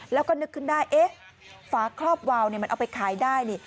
แล้วก็นึกขึ้นได้เอ๊ะฝาครอบวาวมันเอาไปขายได้นี่